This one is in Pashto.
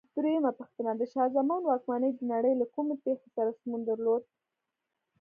دویمه پوښتنه: د شاه زمان واکمنۍ د نړۍ له کومې پېښې سره سمون درلود؟